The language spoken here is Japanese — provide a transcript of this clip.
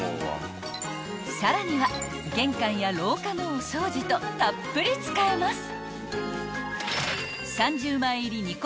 ［さらには玄関や廊下のお掃除とたっぷり使えます］